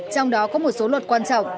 trong đó có một số luật quan trọng